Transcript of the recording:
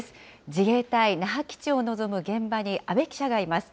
自衛隊那覇基地を望む現場に、阿部記者がいます。